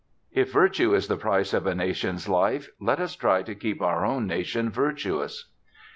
_ "'If virtue is the price of a nation's life, let us try to keep our own nation virtuous.'"